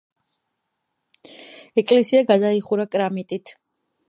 ეკლესია გადაიხურა კრამიტით.